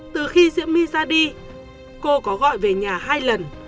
từ khi diễm my ra đi cô có gọi về nhà hai lần